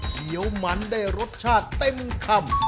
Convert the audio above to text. เหนียวมันได้รสชาติเต็มคำ